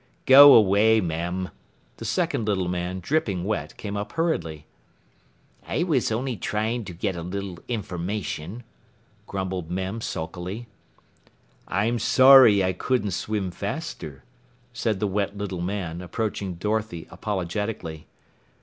"Go away, Mem." The second little man, dripping wet, came up hurriedly. "I was only trying to get a little information," grumbled Mem sulkily. "I'm sorry I couldn't swim faster," said the wet little man, approaching Dorothy apologetically.